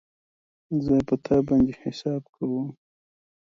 زه په تا باندی حساب کوم